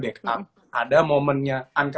back up ada momennya anca